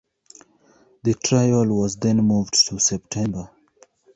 The trial was then moved to September.